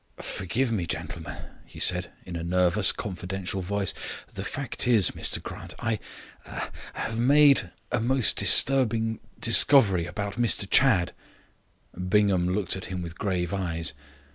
"Forgive me, gentlemen," he said, in a nervous, confidential voice, "the fact is, Mr Grant, I er have made a most disturbing discovery about Mr Chadd." Bingham looked at him with grave eyes.